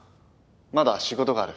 まだ仕事がある。